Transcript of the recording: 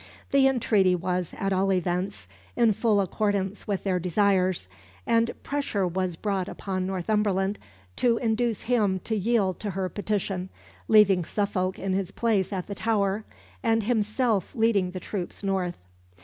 The entreaty was, at all events, in full accordance with their desires, and pressure was brought upon Northumberland to induce him to yield to her petition leaving Suffolk in his place at the Tower, and himself leading the troops north.